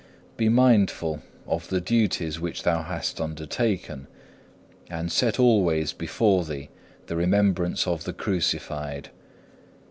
6. Be mindful of the duties which thou hast undertaken, and set always before thee the remembrance of the Crucified.